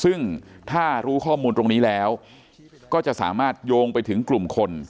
ซึ่งถ้ารู้ข้อมูลตรงนี้แล้วก็จะสามารถโยงไปถึงกลุ่มคน